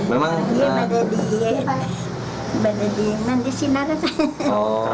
ini pada di mandi sinar